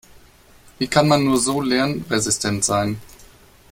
Wie kann man nur so lernresistent sein?